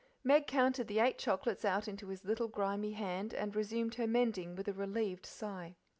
Meg counted the eight chocolates out into his little grimy hand, and resumed her mending with a relieved sigh.